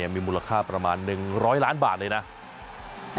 มีมูลค่าประมาณ๑๐๐ล้านบาทเลยนะ